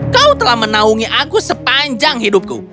kau telah menaungi aku sepanjang hidupku